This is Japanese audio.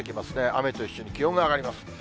雨と一緒に気温が上がります。